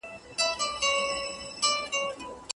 مالونه ایران ته په قاچاق وړل کېږي.